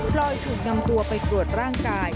ลอยถูกนำตัวไปตรวจร่างกาย